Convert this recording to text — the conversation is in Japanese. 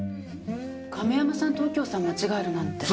亀山さんと右京さん間違えるなんて。